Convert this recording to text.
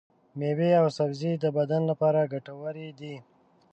ميوې او سبزي د بدن لپاره ګټورې دي.